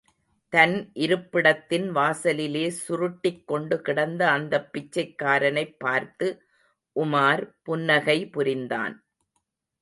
தன் இருப்பிடத்தின் வாசலிலே சுருட்டிக் கொண்டு கிடந்த அந்தப் பிச்சைக்காரனைப் பார்த்து உமார் புன்னகை புரிந்தான்.